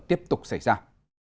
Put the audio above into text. tiếp tục xảy ra